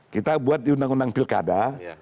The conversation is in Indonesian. kita buat di undang undang pilkada